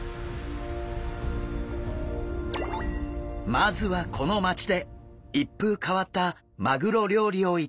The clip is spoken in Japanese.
まずはこの町で一風変わったマグロ料理を頂きます。